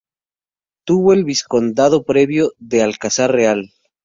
Tuvo el Vizcondado previo de Alcázar Real.